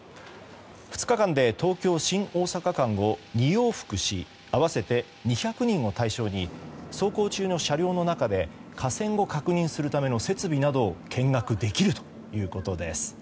２日間で東京新大阪間を２往復し合わせて２００人を対象に走行中の車両の中で架線を確認するための設備などを見学できるということです。